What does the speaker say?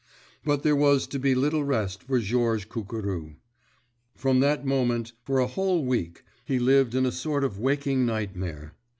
But there was to be little rest for Georges Cucurou. From that moment, for a whole week, he lived in a sort of waking nightmare.